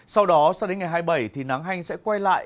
sau đó sau đến ngày hai mươi bảy nắng hanh sẽ quay lại